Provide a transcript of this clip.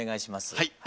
はい。